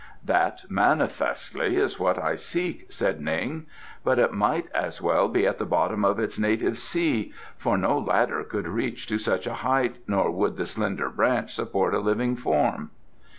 "That manifestly is what I seek," said Ning. "But it might as well be at the bottom of its native sea, for no ladder could reach to such a height nor would the slender branch support a living form."